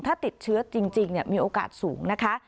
ถ้าติดเชื้อจริงมีโอกาสสูงนะคะ